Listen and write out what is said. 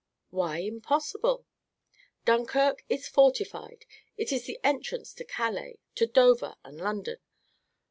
"Why impossible?" "Dunkirk is fortified; it is the entrance to Calais, to Dover and London.